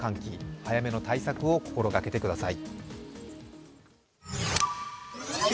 早めの対策を心がけてください。